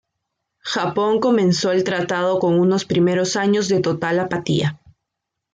Japón comenzó el tratado con unos primeros años de total apatía.